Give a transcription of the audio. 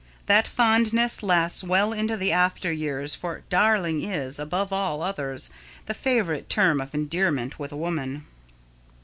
That fondness lasts well into the after years, for "darling" is, above all others, the favourite term of endearment with a woman.